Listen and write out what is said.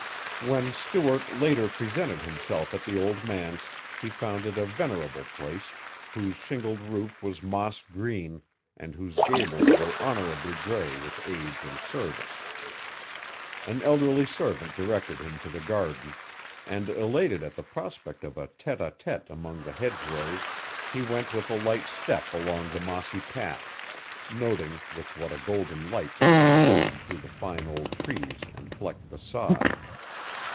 When Stuart, later, presented himself at the old manse, he found it a venerable place, whose shingled roof was moss green and whose gables were honorably gray with age and service. An elderly servant directed him to the garden, and elated at the prospect of a tête à tête among the hedge rows, he went with a light step along the mossy path, noting with what a golden light the sun filtered through the fine old trees and flecked the sod.